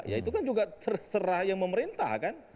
ya itu kan juga terserah yang pemerintah kan